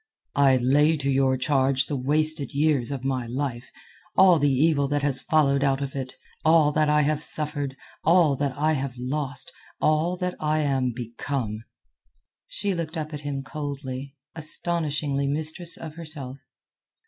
"I lay to your charge the wasted years of my life, all the evil that has followed out of it, all that I have suffered, all that I have lost, all that I am become." She looked up at him coldly, astonishingly mistress of herself.